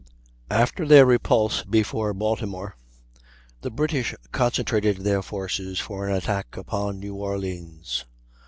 After their repulse before Baltimore the British concentrated their forces for an attack upon New Orleans.